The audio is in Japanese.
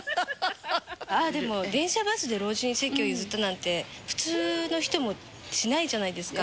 でも電車、バスで老人に席を譲ったなんて、普通の人もしないじゃないですか。